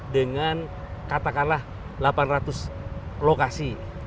dengan katakanlah delapan ratus lokasi